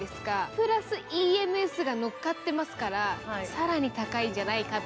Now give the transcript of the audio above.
プラスＥＭＳが乗っかってますから、更に高いんじゃないかと。